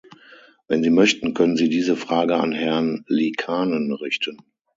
Wenn Sie möchten, können Sie diese Frage an Herrn Liikanen richten.